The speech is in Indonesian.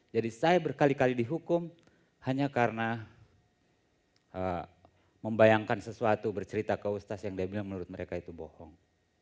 jadi saya berkali kali dihukum hanya karena membayangkan sesuatu bercerita ke ustaz yang dia bilang menurut mereka itu bohong